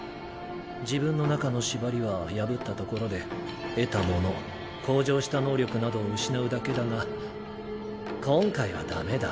自分の中の縛りは破ったところで得たもの向上した能力などを失うだけだが今回はダメだ。